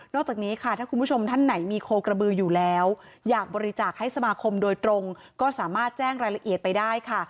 จากนี้ค่ะถ้าคุณผู้ชมท่านไหนมีโคกระบืออยู่แล้วอยากบริจาคให้สมาคมโดยตรงก็สามารถแจ้งรายละเอียดไปได้ค่ะ